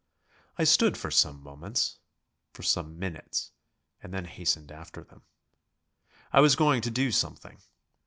I stood for some moments for some minutes, and then hastened after them. I was going to do something.